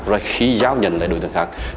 rồi khi giao nhận lại đổi tượng khác